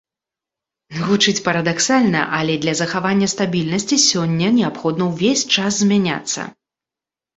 Гучыць парадаксальна, але для захавання стабільнасці сёння неабходна ўвесь час змяняцца.